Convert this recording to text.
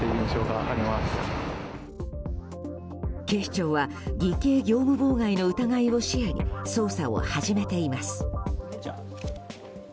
警視庁は偽計業務妨害の疑いを視野に捜査を始めています。